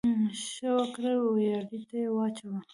ـ ښه وکړه ، ويالې ته يې واچوه.